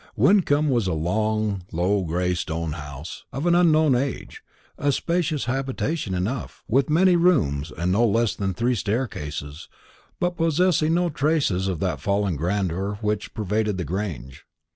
Wyncomb was a long low gray stone house, of an unknown age; a spacious habitation enough, with many rooms, and no less than three staircases, but possessing no traces of that fallen grandeur which pervaded the Grange.